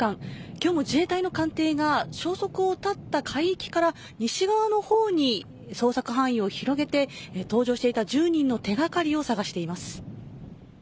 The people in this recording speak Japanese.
今日も自衛隊の艦艇が消息を絶った海域から西側の方に捜索範囲を広げて搭乗していた１０人の手掛かりを探しています。